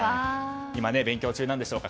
今勉強中なんでしょうか。